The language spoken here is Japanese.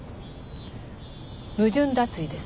矛盾脱衣です。